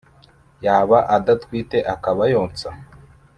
yaba adatwite akaba yonsa